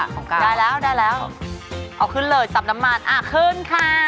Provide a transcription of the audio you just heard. อันนี้ก็พอแล้วเนอะได้แล้วเอาขึ้นเลยสับน้ำมันอ่ะขึ้นค่ะ